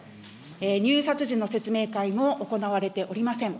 入札時の説明会も行われておりません。